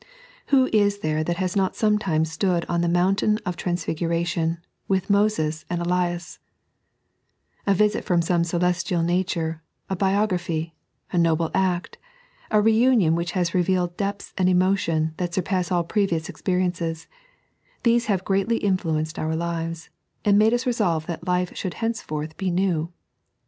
Who is there that has not sometimes stood on the mountain of Transfiguration, with Hoses and EliasI A visit from some celestial nature, a biogn^hy, a noble act, a reunion which has revealed depths and emotion that surpass all previous experiences — these have greatly influ enced our lives, and made us resolve that life should hence forth be new.